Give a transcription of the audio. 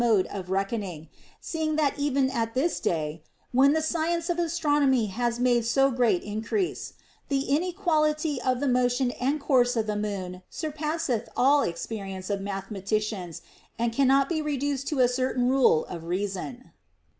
217 mode of reckoning ; seeing that even at this day, when the science of astronomy has made so great increase, the ine quality of the motion and course of the moon surpasseth all experience of mathematicians and cannot be reduced to any certain rule of reason.